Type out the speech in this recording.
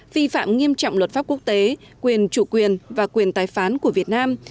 vi phạm nghiêm trọng luật pháp quốc tế quyền chủ quyền và quyền tái phán của việt nam